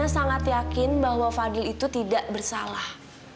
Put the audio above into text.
sangat yakin bahwa fadil itu tidak bersalah